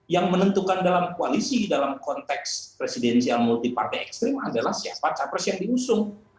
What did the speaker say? yang menentukan dalam koalisi dalam konteks presidensial multi partai ekstrim adalah siapa capres yang diusung